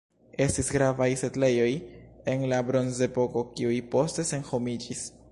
Estis gravaj setlejoj el la Bronzepoko, kiuj poste senhomiĝis.